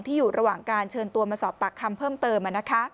อยู่ระหว่างการเชิญตัวมาสอบปากคำเพิ่มเติม